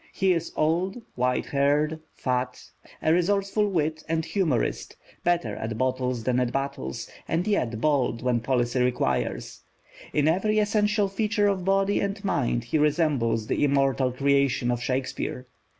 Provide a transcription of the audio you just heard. He is old, white haired, fat, a resourceful wit and humorist, better at bottles than at battles, and yet bold when policy requires: in every essential feature of body and mind he resembles the immortal creation of Shakespeare.